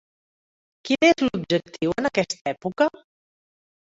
Quin és l'objectiu en aquesta època?